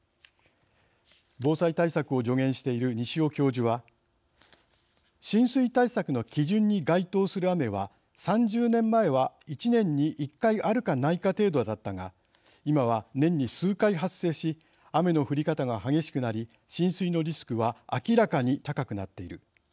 防災対策を助言している西尾教授は「浸水対策の基準に該当する雨は３０年前は１年に１回あるかないか程度だったが今は年に数回発生し雨の降り方が激しくなり浸水のリスクは明らかに高くなっている。